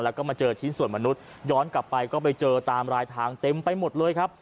แล้วก็มาเจอชิ้นส่วนมนุษย์ย้อนกลับไปก็ไปเจอตามรายทางเต็มไปหมดเลยครับ